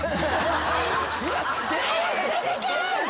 ・早く出てけ！